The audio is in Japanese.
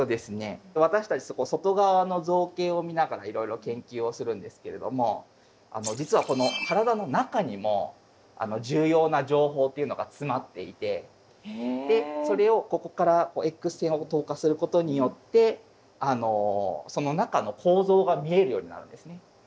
私たち外側の造形を見ながらいろいろ研究をするんですけれども実はこの体の中にも重要な情報っていうのが詰まっていてそれをここからＸ線を透過することによってその中の構造が見えるようになるんですね。